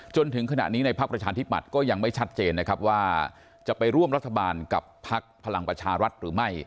จนถึงขณะนี้ในภักดิ์ประชาธิปัตย์ก็ยังไม่ชัดเจนนะครับว่าจะไปร่วมรัฐบาลกับพักพลังประชารัฐหรือไม่